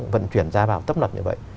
vận chuyển ra vào tấm lập như vậy